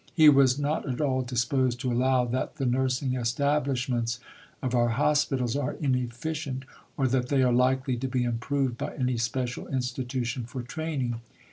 He was "not at all disposed to allow that the nursing establishments of our hospitals are inefficient, or that they are likely to be improved by any special institution for training."